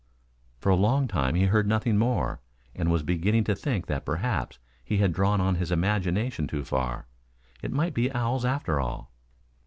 For a long time he heard nothing more, and was beginning to think that perhaps he had drawn on his imagination too far. It might be owls after all.